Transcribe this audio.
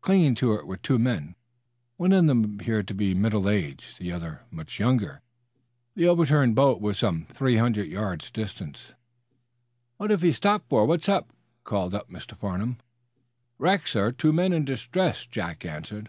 Clinging to it were two men. One of them appeared to be middle aged, the other much younger. The overturned boat was some three hundred yards distant. "What have you stopped for? What's up?" called up Mr. Farnum. "Wreck, sir. Two men in distress," Jack answered.